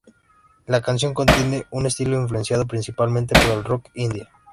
La canción contiene un estilo influenciado principalmente por el rock indie.